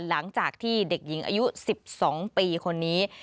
หลังจากที่เด็กหญิงอายุ๑๒ปีคนนี้